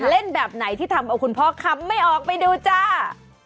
แบบไหนที่ทำเอาคุณพ่อคำไม่ออกไปดูจ้า